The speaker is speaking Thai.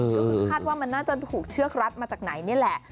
ก็คือคาดว่ามันน่าจะถูกเชือกรัดมาจากไหนนี่แหละ